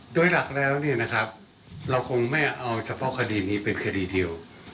โดยหลักแล้วเนี่ยนะครับเราคงไม่เอาเฉพาะคดีนี้เป็นคดีเดียว